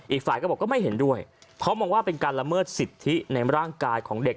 อีกฝ่ายก็บอกก็ไม่เห็นด้วยเพราะมองว่าเป็นการละเมิดสิทธิในร่างกายของเด็ก